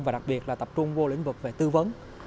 và đặc biệt là tập trung vô lĩnh vực về tư vấn